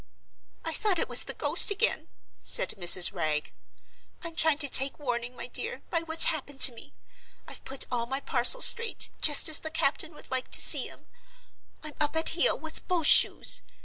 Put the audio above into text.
"I thought it was the ghost again," said Mrs. Wragge. "I'm trying to take warning, my dear, by what's happened to me. I've put all my parcels straight, just as the captain would like to see 'em. I'm up at heel with both shoes.